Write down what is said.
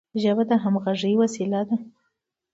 ژبه د همږغی وسیله ده.